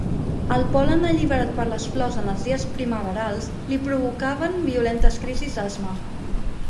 El pol·len alliberat per les flors en els dies primaverals li provocaven violentes crisis d'asma.